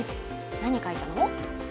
何書いたの？